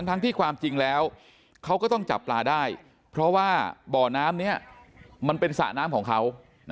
ทั้งที่ความจริงแล้วเขาก็ต้องจับปลาได้เพราะว่าบ่อน้ำนี้มันเป็นสระน้ำของเขา